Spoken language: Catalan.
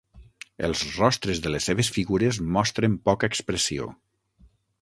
Els rostres de les seves figures mostren poca expressió.